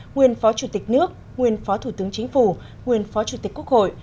nguyên phó chủ tịch nước nguyên phó thủ tướng chính phủ nguyên phó chủ tịch quốc hội